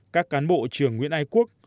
các cán bộ trường nguyễn ái quốc